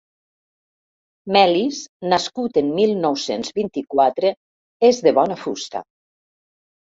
Melis, nascut en mil nou-cents vint-i-quatre, és de bona fusta.